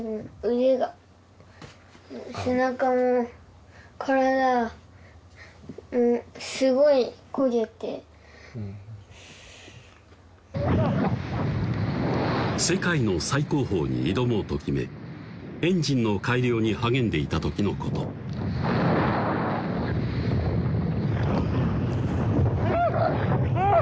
腕が背中も体すごい焦げて世界の最高峰に挑もうと決めエンジンの改良に励んでいた時のことあっあっ